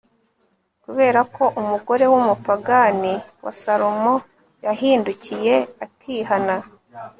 kubera ko umugore w'umupagani wa salomo yahindukiye akihana